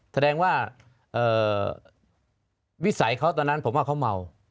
แสดงว่าวิสัยเขาตอนนั้นผมว่าเขาเมา